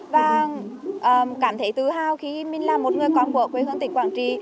và cảm thấy tự hào khi mình là một người con của quê hương tỉnh quảng trị